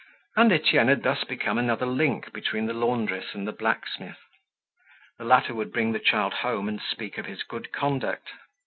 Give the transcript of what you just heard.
And Etienne had thus become another link between the laundress and the blacksmith. The latter would bring the child home and speak of his good conduct.